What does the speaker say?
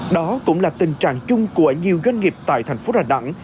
đó cũng là tình trạng chung của nhiều doanh nghiệp tại thành phố rà đẳng